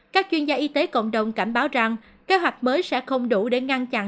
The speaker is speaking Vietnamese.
các chuyên gia y tế cộng đồng cảnh báo rằng kế hoạch mới sẽ không đủ để ngăn chặn